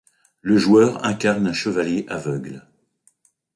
Le joueur incarne un chevalier aveugle.